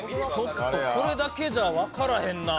これだけじゃわからへんな。